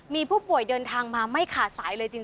มีผู้ป่วยเดินทางมาไม่ขาดสายเลยจริง